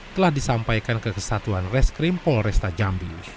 telah disampaikan ke kesatuan reskrim polresta jambi